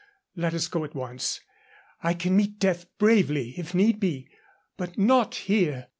Let us go at once. I can meet death bravely if need be, but not here."